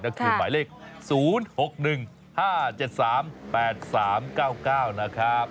ก็คือหมายเลข๐๖๑๕๗๓๘๓๙๙นะครับ